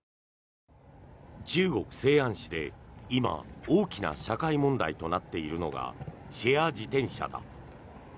中国・西安市で今、大きな社会問題となっているのがシェア自転車だ。